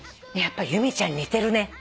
やっぱり由美ちゃんに似てるね。